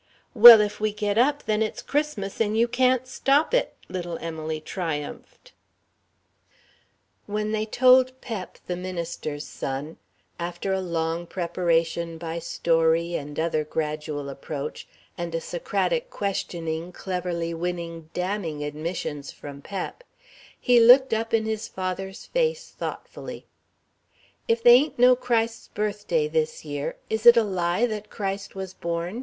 "Well, if we get up, then it's Christmas and you can't stop it!" little Emily triumphed. When they told Pep, the minister's son, after a long preparation by story and other gradual approach, and a Socratic questioning cleverly winning damning admissions from Pep, he looked up in his father's face thoughtfully: "If they ain't no Christ's birthday this year, is it a lie that Christ was born?"